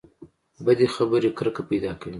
بدې خبرې کرکه پیدا کوي.